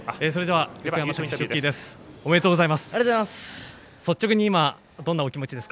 ありがとうございます。